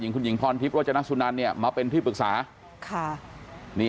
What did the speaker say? คุณหญิงพรทิพย์โรจนสุนันเนี่ยมาเป็นที่ปรึกษา